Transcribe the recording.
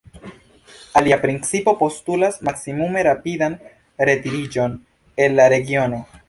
Alia principo postulas maksimume rapidan retiriĝon el la regiono.